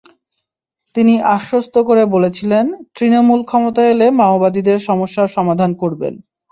তিনি আশ্বস্ত করে বলেছিলেন, তৃণমূল ক্ষমতায় এলে মাওবাদীদের সমস্যার সমাধান করবেন।